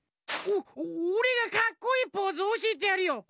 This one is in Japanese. おおれがかっこいいポーズおしえてやるよ。